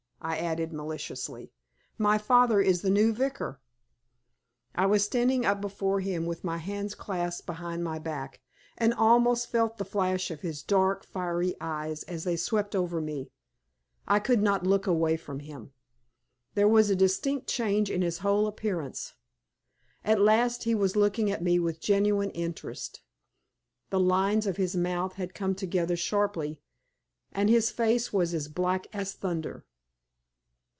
I added, maliciously. "My father is the new vicar." I was standing up before him with my hands clasped behind my back, and almost felt the flash of his dark, fiery eyes as they swept over me. I could not look away from him. There was a distinct change in his whole appearance. At last he was looking at me with genuine interest. The lines of his mouth had come together sharply, and his face was as black as thunder.